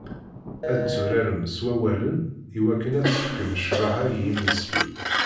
Ad tetturarem s wawalen i wakken ad tefkem ccbaḥa i yimesli.